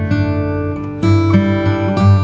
terima kasih ya mas